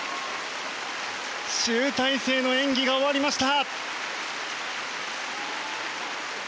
集大成の演技が終わりました。